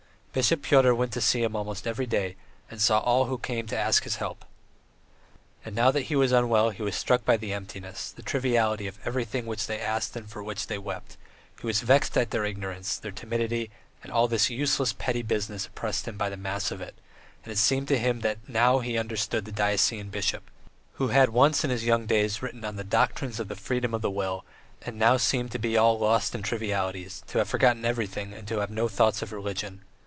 Bishop Pyotr went to see him almost every day, and saw all who came to ask his help. And now that he was unwell he was struck by the emptiness, the triviality of everything which they asked and for which they wept; he was vexed at their ignorance, their timidity; and all this useless, petty business oppressed him by the mass of it, and it seemed to him that now he understood the diocesan bishop, who had once in his young days written on "The Doctrines of the Freedom of the Will," and now seemed to be all lost in trivialities, to have forgotten everything, and to have no thoughts of religion.